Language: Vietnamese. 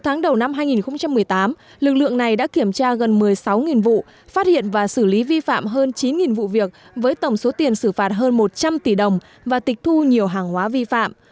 sáu tháng đầu năm hai nghìn một mươi tám lực lượng này đã kiểm tra gần một mươi sáu vụ phát hiện và xử lý vi phạm hơn chín vụ việc với tổng số tiền xử phạt hơn một trăm linh tỷ đồng và tịch thu nhiều hàng hóa vi phạm